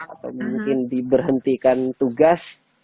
atau mungkin diberhentikan tugas